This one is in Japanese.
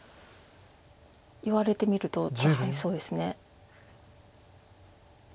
言われてみると確かにそうですね。